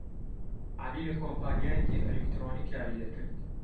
عەلی لە کۆمپانیایەکی ئەلیکترۆنی کاری دەکرد.